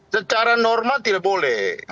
secara normal tidak boleh